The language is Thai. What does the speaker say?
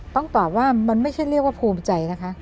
ต้องตอบว่าไม่ชื่อพูดใจนะคะ